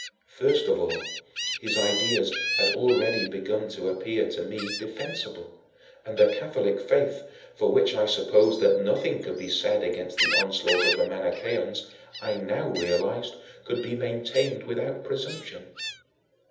First of all, his ideas had already begun to appear to me defensible; and the Catholic faith, for which I supposed that nothing could be said against the onslaught of the Manicheans, I now realized could be maintained without presumption.